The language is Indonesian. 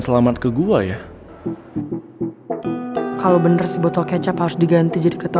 bertantung karena nanti kalo emang butuh derndon